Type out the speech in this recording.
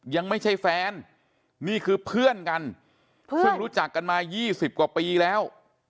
ยังไม่ใช่แฟนนี่คือเพื่อนกันเพิ่งรู้จักกันมา๒๐กว่าปีแล้ว